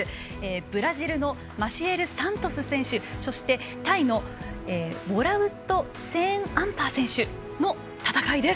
ブラジルのマシエル・サントス選手そしてタイのウォラウット・セーンアンパー選手の戦いです。